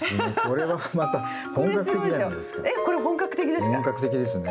これ本格的ですか？